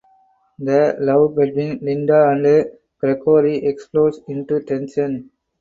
The love between Linda and Gregory explodes into tension.